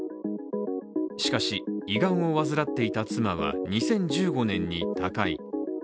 しかし、胃がんを患っていた妻は２０１５年に他界。